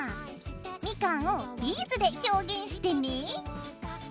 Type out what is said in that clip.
みかんをビーズで表現してね。